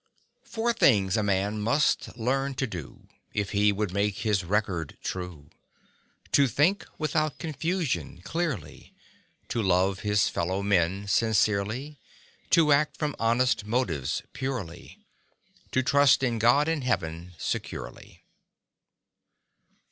Four things a man must learn to do If he would make his record true: To think without confusion clearly; To love his fellow men sincerely; To act from honest motives purely; To trust in God and Heaven securely.